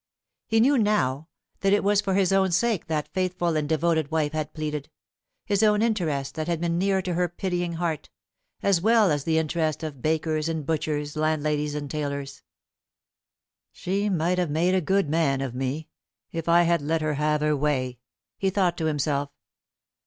He knew now that it was for his own sake that faithful and devoted wife had pleaded, his own interest that had been near to her pitying heart, as well as the interest of bakers and butchers, landladies and tailors. "She might have made a good man of me, if I had let her have her way," he thought to himself.